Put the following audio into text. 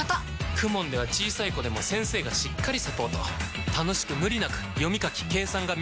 ＫＵＭＯＮ では小さい子でも先生がしっかりサポート楽しく無理なく読み書き計算が身につきます！